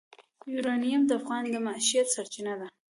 یورانیم د افغانانو د معیشت سرچینه ده.